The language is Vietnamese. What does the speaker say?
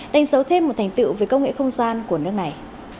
đánh dấu thêm một thành tựu về công nghệ không gian của nước này